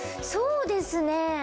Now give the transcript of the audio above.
そうですね。